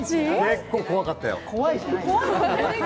結構怖かったよ。